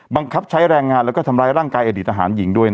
บังคับใช้แรงงานแล้วก็ทำร้ายร่างกายอดีตทหารหญิงด้วย